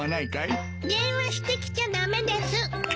電話してきちゃ駄目です。